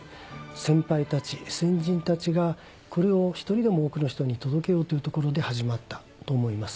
先輩たち先人たちがこれを一人でも多くの人に届けようというところで始まったと思います。